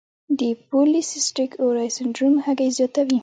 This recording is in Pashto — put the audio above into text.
د پولی سیسټک اووری سنډروم هګۍ زیاتوي.